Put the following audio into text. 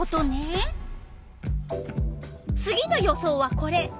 次の予想はこれ。